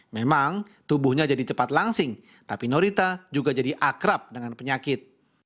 memang tubuhnya jadi cepat langsing tapi norita juga jadi akrab dengan penyakit